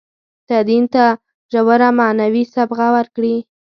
تدین ته ژوره معنوي صبغه ورکړي.